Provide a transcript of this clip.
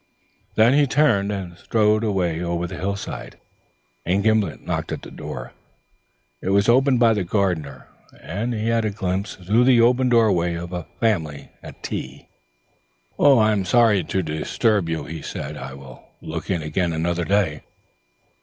He turned and strode away over the hillside, and Gimblet knocked at the door. It was opened by the gardener, and he had a glimpse through the open doorway of a family at tea. "I'm sorry I disturbed you," he said. "I will look in again another day.